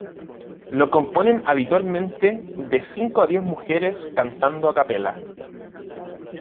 Lo componen habitualmente de cinco a diez mujeres cantando a capella.